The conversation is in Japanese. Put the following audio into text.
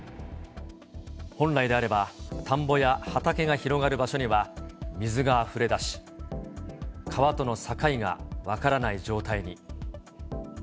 本来であれば、田んぼや畑が広がる場所には、水があふれ出し、川との境が分からない状態に。